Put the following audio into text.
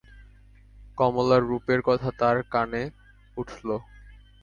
কমলার রূপের কথা তার কানে উঠল।